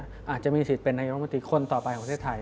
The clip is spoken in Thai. อาจจะมีสิทธิ์เป็นนัยยกมติคนต่อไปของเทศไทย